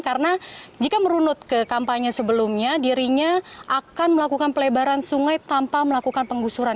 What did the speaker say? karena jika merunut ke kampanye sebelumnya dirinya akan melakukan pelebaran sungai tanpa melakukan penggusuran